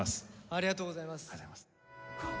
ありがとうございます。